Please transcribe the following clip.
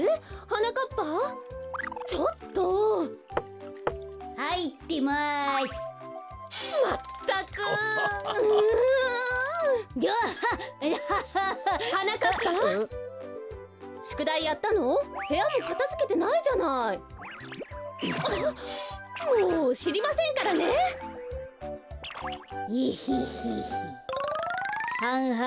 はんはん。